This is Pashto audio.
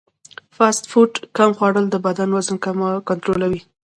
فاسټ فوډ کم خوړل د بدن وزن کنټرولوي.